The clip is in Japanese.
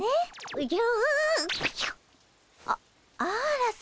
おじゃ。